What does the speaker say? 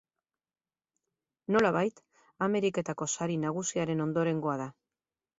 Nolabait Ameriketako Sari Nagusiaren ondorengoa da.